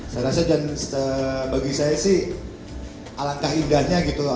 saya rasa dan bagi saya sih alangkah indahnya gitu loh